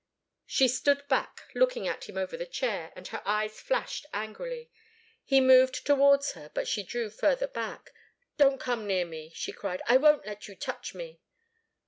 She stood back, looking at him over the chair, and her eyes flashed angrily. He moved towards her, but she drew further back. "Don't come near me!" she cried. "I won't let you touch me!"